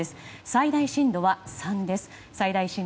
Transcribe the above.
最大震度は３です。